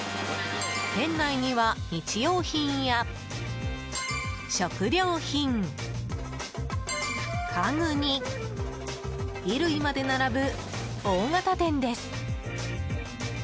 店内には、日用品や食料品家具に衣類まで並ぶ大型店です。